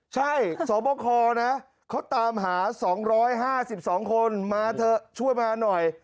ใช่สวบคลนะเขาตามหาสองร้อยห้าสิบสองคนมาเถอะช่วยมาหน่อย